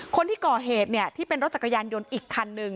คนที่ก่อเหตุเนี่ยที่เป็นรถจักรยานยนต์อีกคันหนึ่ง